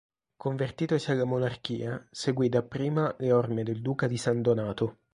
Convertitosi alla monarchia, seguì dapprima le orme del Duca di San Donato.